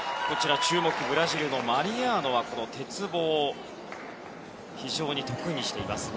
注目、ブラジルのマリアーノはこの鉄棒を非常に得意にしています。